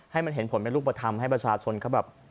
ให้มันเห็นผลเป็นรูปธรรมให้ประชาชนเขาแบบ